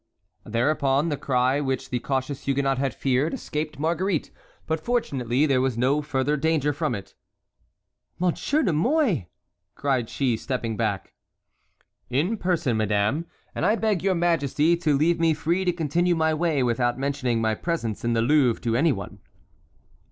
Thereupon the cry which the cautious Huguenot had feared escaped Marguerite; but fortunately there was no further danger from it. "Monsieur de Mouy!" cried she, stepping back. "In person, madame, and I beg your majesty to leave me free to continue my way without mentioning my presence in the Louvre to any one."